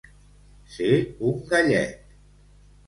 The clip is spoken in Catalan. Ser un gallet.